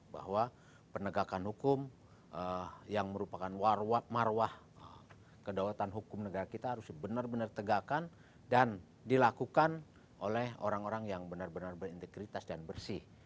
bahwa penegakan hukum yang merupakan marwah kedaulatan hukum negara kita harus benar benar tegakkan dan dilakukan oleh orang orang yang benar benar berintegritas dan bersih